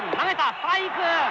ストライク！